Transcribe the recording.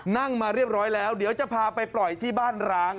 นั่งมาเรียบร้อยแล้วเดี๋ยวจะพาไปปล่อยที่บ้านร้าง